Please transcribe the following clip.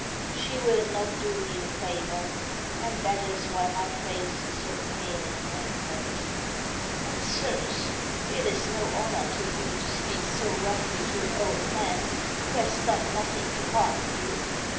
She will not do me the favor, and that is why my face is so pale and wrinkled. But, sirs, it is no honor to you to speak so roughly to an old man who has done nothing to harm you.